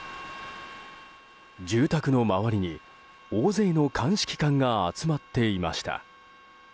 住宅の周りに大勢の鑑識官が集まっていました。